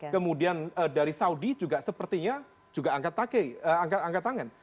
kemudian dari saudi juga sepertinya juga angkat tangan